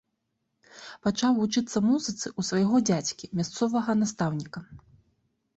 Пачаў вучыцца музыцы ў свайго дзядзькі, мясцовага настаўніка.